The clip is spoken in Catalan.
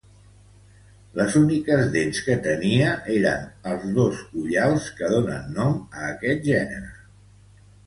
Les úniques dents que tenia eren els dos ullals que donen nom a aquest gènere.